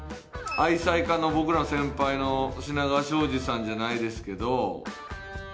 愛妻家の僕らの先輩の品川庄司さんじゃないですけど。